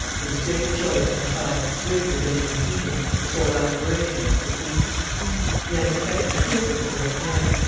There was great joy at Versailles, greater than in the kingdom; the sole aspiration was for peace. An unexpected assistance was at hand.